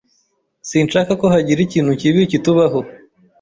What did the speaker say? Sinshaka ko hagira ikintu kibi kitubaho.